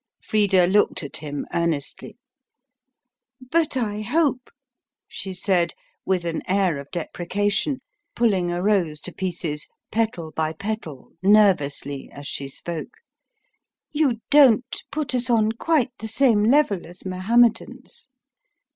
Frida looked at him earnestly. "But I hope," she said with an air of deprecation, pulling a rose to pieces, petal by petal, nervously, as she spoke, "you don't put us on quite the same level as Mohammedans.